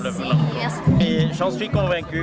saya yakin karena anda tahu